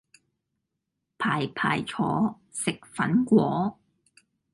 排排坐，食粉果